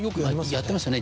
やってますよね